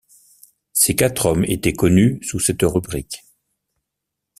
Ces quatre hommes étaient connus sous cette rubrique.